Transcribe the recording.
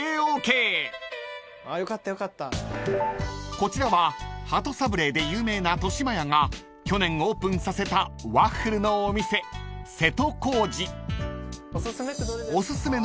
［こちらは鳩サブレーで有名な豊島屋が去年オープンさせたワッフルのお店］ん。